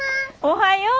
おはよう。